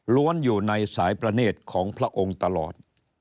อยู่ในสายประเนธของพระองค์ตลอด